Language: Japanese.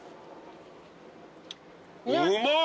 うまい！